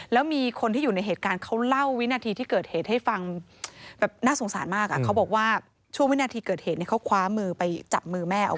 แล้วมีคนที่อยู่ในเหตุการณ์เขาเล่าวินาทีที่เกิดเหตุให้ฟังแบบน่าสงสารมากเขาบอกว่าช่วงวินาทีเกิดเหตุเขาคว้ามือไปจับมือแม่เอาไว้